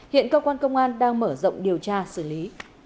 hiện cơ quan công an đang mở rộng điều tra xử lý